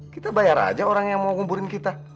kita bayar aja orang yang mau nguburin kita